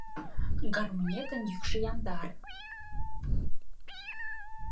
Гармонетын йӱкшӧ яндар